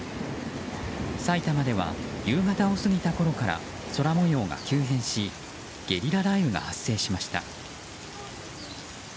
埼玉では夕方を過ぎたころから空模様が急変しゲリラ雷雨が発生しました。